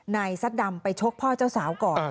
ซัดดำไปชกพ่อเจ้าสาวก่อน